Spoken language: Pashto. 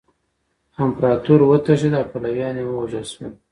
امپراطور وتښتید او پلویان یې ووژل شول.